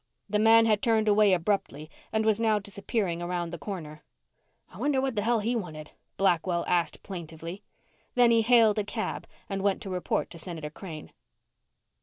The man had turned away abruptly and was now disappearing around the corner. "I wonder what the hell he wanted?" Blackwell asked plaintively. Then he hailed a cab and went to report to Senator Crane.